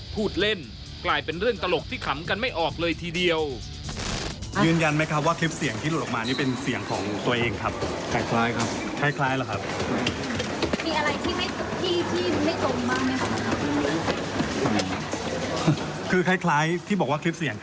พูดเล่นกลายเป็นเรื่องตลกที่ขำกันไม่ออกเลยทีเดียว